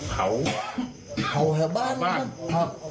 เขาแหละบ้านครับ